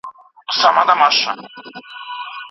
بصیرت د حق او باطل ترمنځ توپیر کوي.